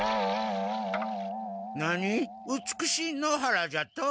何美しい野原じゃと？